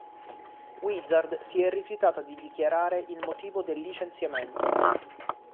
Wizard si è rifiutata di dichiarare il motivo del licenziamento.